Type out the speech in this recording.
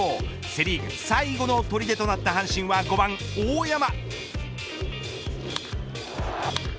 セ・リーグ最後の砦となった阪神は５番、大山。